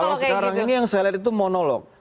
kalau sekarang ini yang saya lihat itu monolog